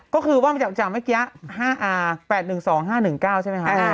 ก็คือว่ามาจากเมื่อกี้๘๑๒๕๑๙ใช่ไหมคะ